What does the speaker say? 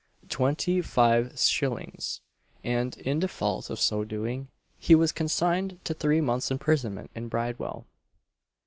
twenty five shillings; and in default of so doing, he was consigned to three months' imprisonment in Bridewell.